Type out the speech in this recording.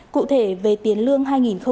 cụ thể về tiền lương hai nghìn hai mươi